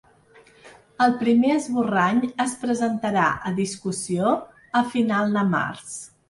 El primer esborrany es presentarà a discussió a final de març.